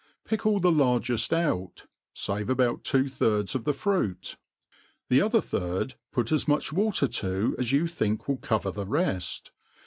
Fick sdl the largeft out, fave about two»thirds of the fruit, the other third put as much water to as you think will cover the reft.